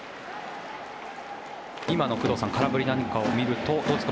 今の工藤さん空振りなんかを見るとどうですか？